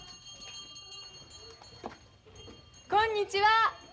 こんにちは！